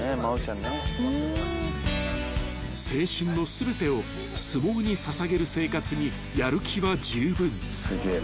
［青春の全てを相撲に捧げる生活にやる気は十分］